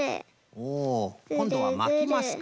おこんどはまきますか。